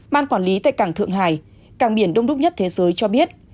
ban quản lý tại càng thượng hải càng biển đông đúc nhất thế giới cho biết